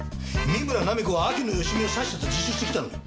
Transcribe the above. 三村菜実子は秋野芳美を刺したと自首してきたんだぞ。